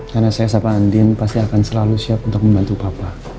karena saya sama adin pasti akan selalu siap untuk membantu papa